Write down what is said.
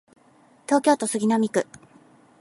東京都杉並区